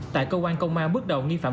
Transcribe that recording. tại cơ quan công an bước đầu nghi phạm